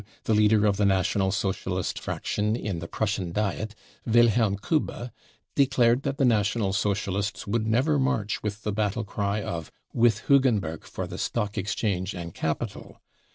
the leader of the National Socialist fraction in the Prussian Diet, Wilhelm Kube, declared that the National Socialists would never march with the battle cry of 44 With Hugenberg for the Stock Exchange and Capital